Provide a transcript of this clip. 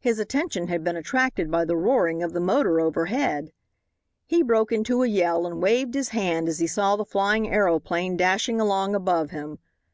His attention had been attracted by the roaring of the motor overhead. He broke into a yell and waved his hand as he saw the flying aeroplane dashing along above him.